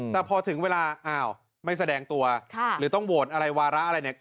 แต่พอถึงเวลาไม่แสดงตัวหรือต้องโหวตวาระอะไร